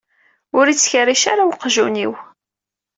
Ur ittkerric ara weqjun-iw.